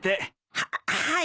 はっはい。